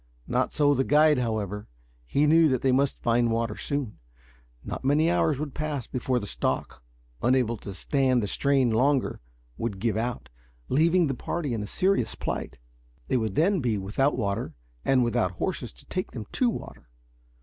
Not so the guide, however. He knew that they must find water soon. Not many hours would pass before the stock, unable to stand the strain longer, would give out, leaving the party in a serious plight. They would then be without water, and without horses to take them to water.